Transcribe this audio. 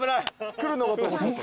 来るのかと思っちゃった。